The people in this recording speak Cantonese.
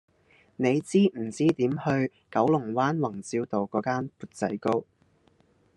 你知唔知點去九龍灣宏照道嗰間缽仔糕